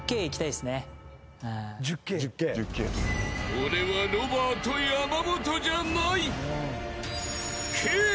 ［俺はロバート山本じゃない！］